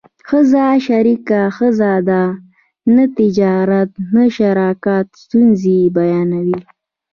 ښځه شریکه ښه ده نه تجارت د شراکت ستونزې بیانوي